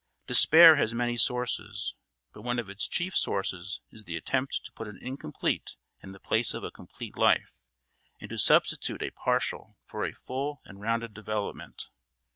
Despair has many sources, but one of its chief sources is the attempt to put an incomplete in the place of a complete life, and to substitute a partial for a full and rounded development.